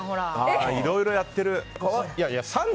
いろいろやってる。